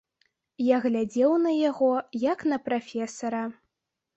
Я глядзеў на яго, як на прафесара.